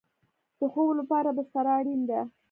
د خوب لپاره بستره اړین ده